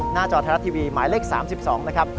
จอไทยรัฐทีวีหมายเลข๓๒นะครับ